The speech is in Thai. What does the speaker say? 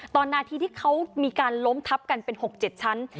นาทีที่เขามีการล้มทับกันเป็น๖๗ชั้น